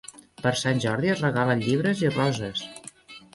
Per sant Jordi es regalen llibres i roses.